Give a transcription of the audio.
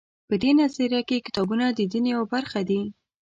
په دې نظریه کې کتابونه د دین یوه برخه دي.